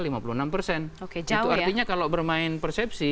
itu artinya kalau bermain persepsi